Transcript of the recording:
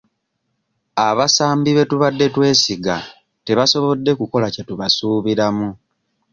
Abasambi be tubadde twesiga tebasobodde kukola kye tubasuubiramu.